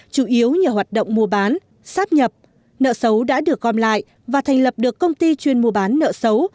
chủ yếu nhờ hoạt động mua bán sáp nhập nợ xấu đã được gom lại và thành lập được công ty chuyên mua bán nợ xấu